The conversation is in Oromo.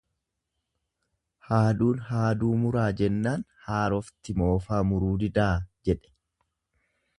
Haaduun haaduu muraa jennaan haarofti moofaa muruu didaa, jedhe.